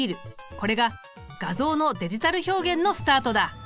これが画像のデジタル表現のスタートだ。